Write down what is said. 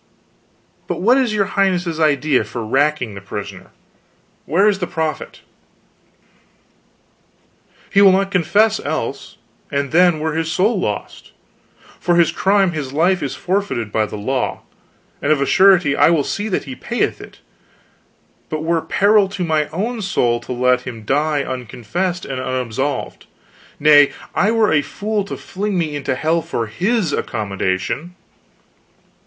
But what is your highness's idea for racking the prisoner? Where is the profit?" "He will not confess, else; and then were his soul lost. For his crime his life is forfeited by the law and of a surety will I see that he payeth it! but it were peril to my own soul to let him die unconfessed and unabsolved. Nay, I were a fool to fling me into hell for his accommodation."